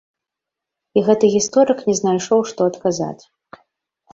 І гэты гісторык не знайшоў што адказаць.